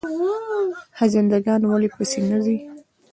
خزنده ګان ولې په سینه ځي؟